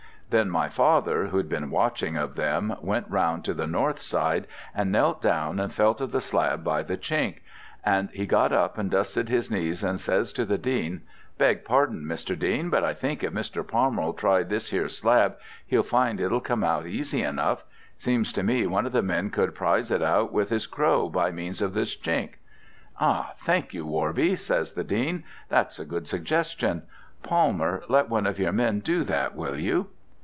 Then my father, who'd been watching of them, went round to the north side, and knelt down and felt of the slab by the chink, and he got up and dusted his knees and says to the Dean: 'Beg pardon, Mr. Dean, but I think if Mr. Palmer'll try this here slab he'll find it'll come out easy enough. Seems to me one of the men could prize it out with his crow by means of this chink.' 'Ah! thank you, Worby,' says the Dean; 'that's a good suggestion. Palmer, let one of your men do that, will you?'